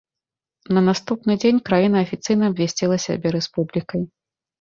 На наступны дзень краіна афіцыйна абвясціла сябе рэспублікай.